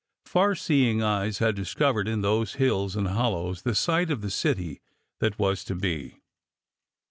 Far seeing eyes had discovered in those hills and hollows the site of the city that was to be.